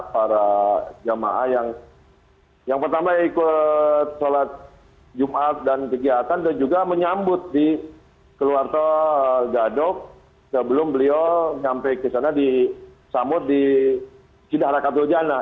para jamaah yang pertama ikut sholat jumat dan kegiatan dan juga menyambut di keluarto gadok sebelum beliau sampai ke sana di samud di sidah rakat ujana